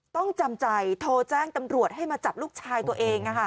ต้องจำใจโทรแจ้งตำรวจให้มาจับลูกชายตัวเองอ่ะค่ะ